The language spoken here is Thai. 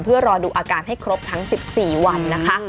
เพื่อรอดูอาการให้ครบทั้ง๑๔วันนะคะ